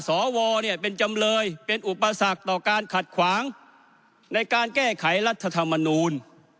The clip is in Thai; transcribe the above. สวเป็นจำเลยเป็นอุปสรรคต่อการขัดขวางในการแก้ไขรัฐธรรมนูล